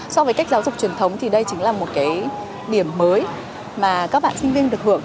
so với cách giáo dục truyền thống thì đây chính là một cái điểm mới mà các bạn sinh viên được hưởng